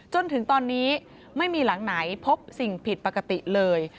จนถึงตอนนี้ไม่มีหลังไหนพบสิ่งผิดปกติเลย